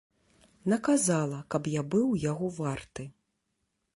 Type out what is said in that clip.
Наказала, каб я быў яго варты.